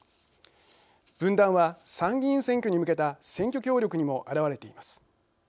分断は、参議院選挙に向けた選挙協力にも表れています。